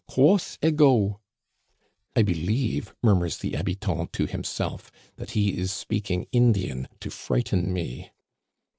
Quos ego .../" "I believe," murmurs the habitant to himself, that he is speaking Indian to frighten me."